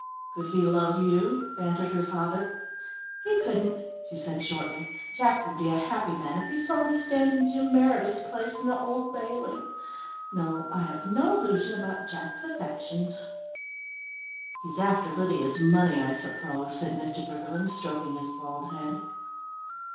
"Could he love you?" bantered her father. "He couldn't," she said shortly. "Jack would be a happy man if he saw me stand in Jim Meredith's place in the Old Bailey. No, I have no illusion about Jack's affections." "He's after Lydia's money I suppose," said Mr. Briggerland, stroking his bald head.